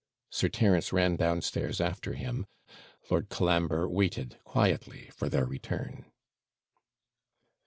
Sir Terence ran downstairs after him; Lord Colambre waited quietly for their return.